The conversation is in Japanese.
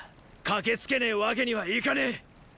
駆けつけねぇわけにはいかねぇ。